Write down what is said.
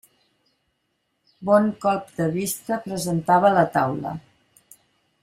Bon colp de vista presentava la taula.